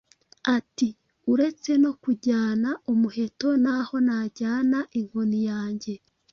Ati: “Uretse no kujyana umuheto n’aho najyana inkoni yange